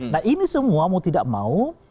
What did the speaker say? nah ini semua mau tidak mau